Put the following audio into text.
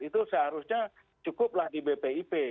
itu seharusnya cukuplah di bpip